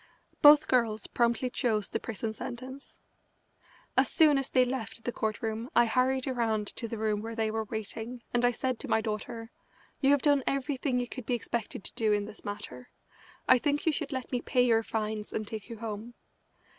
Both girls promptly chose the prison sentence. As soon as they left the court room I hurried around to the room where they were waiting, and I said to my daughter: "You have done everything you could be expected to do in this matter. I think you should let me pay your fines and take you home."